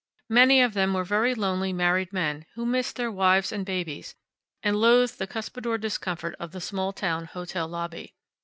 Many of them were very lonely married men who missed their wives and babies, and loathed the cuspidored discomfort of the small town hotel lobby.